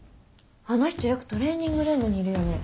あの人よくトレーニングルームにいるよね。